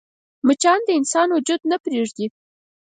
مچان د انسان وجود نه پرېږدي